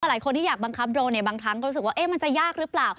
หลายคนเราอยากบังคับโดรนบางทั้งคิดว่ามันจะยากหรือเปล่า